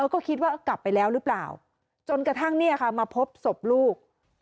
ก็คิดว่ากลับไปแล้วหรือเปล่าจนกระทั่งเนี่ยค่ะมาพบศพลูก